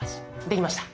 できました。